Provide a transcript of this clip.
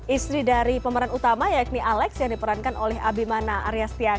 istri dari pemeran utama yakni alex yang diperankan oleh abimana aryastian